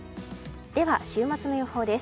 では、週末の予報です。